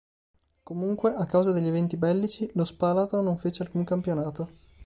Comunque, a causa degli eventi bellici lo Spalato non fece alcun campionato.